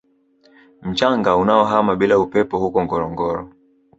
Mchanga unaohama bila upepo huko Ngorongoro